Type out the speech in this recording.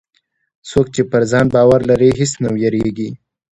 څوک چې پر ځان باور لري، هېڅ نه وېرېږي.